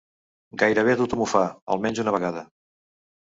Gairebé tothom ho fa, almenys una vegada.